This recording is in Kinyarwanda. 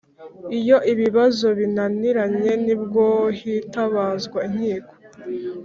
iyo ibibazo binaniranye ni bwo hitabazwa inkiko